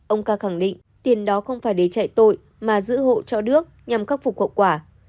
ông ca khẳng định tiền đó không phải để chạy tội mà giữ hộ cho đước nhằm khắc phục hậu quả